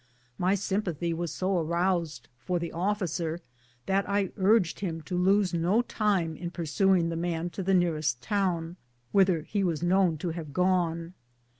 My sympathy was so aroused for the officer that I urged him to lose no time in pursuing the man to the nearest town, whither he was known to have gone.